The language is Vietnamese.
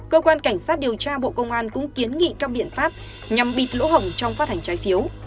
cơ quan cảnh sát điều tra bộ công an cũng kiến nghị các biện pháp nhằm bịt lỗ hồng trong phát hành trái phiếu